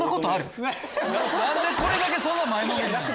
何でこれだけそんな前のめりなん？